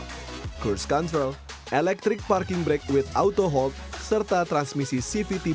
expander cross kini memiliki layar head unit sembilan inci dan di bagian interior dan transmisi yang juga tersemat di mitsubishi new xpander seperti ac digital